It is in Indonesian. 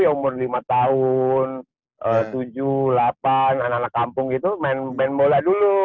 umur lima tahun tujuh delapan anak anak kampung gitu main band bola dulu